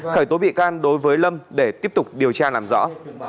khởi tố bị can đối với lâm để tiếp tục điều tra làm rõ